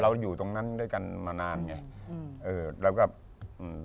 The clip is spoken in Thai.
เราอยู่ตรงนั้นด้วยกันมานานไง